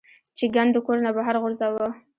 چې ګند د کور نه بهر غورځوه -